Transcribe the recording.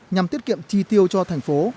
nhằm tiết kiệm tri tiêu cho thành phố